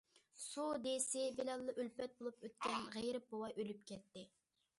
سۇ دېسى بىلەنلا ئۈلپەت بولۇپ ئۆتكەن غېرىب بوۋاي ئۆلۈپ كەتتى.